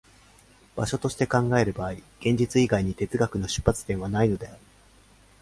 場所として考える場合、現実以外に哲学の出発点はないのである。